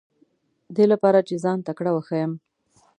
دې لپاره چې ځان تکړه وښیم.